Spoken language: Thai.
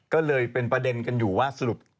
ก็เลยเป็นประเด็นกันอยู่ว่าสรุป